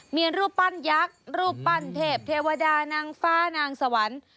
มีรูปปั้นยักษ์รูปปั้นเทพเทวดานางฟ้านางสวรรค์